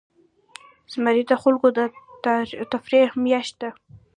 زمری د خلکو د تفریح میاشت ده.